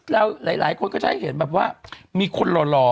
และได้เห็นแบบว่ามีคนรอ